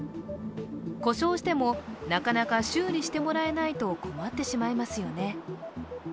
故障しても、なかなか修理してもらえないと困ってしまいますよね。